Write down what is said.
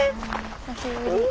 久しぶり。